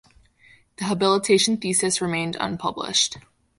The habilitation thesis remained unpublished.